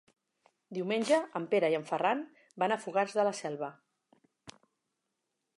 Diumenge en Pere i en Ferran van a Fogars de la Selva.